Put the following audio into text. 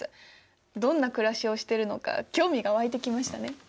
どんな暮らしをしてるのか興味が湧いてきましたね。